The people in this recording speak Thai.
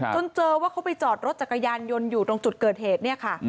จนเจอว่าเขาไปจอดรถจักรยานยนต์อยู่ตรงจุดเกิดเหตุเนี่ยค่ะ